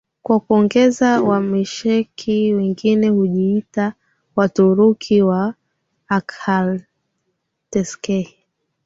Kwa kuongezea Wamesheki wenyewe hujiita Waturuki wa Akhaltsikhe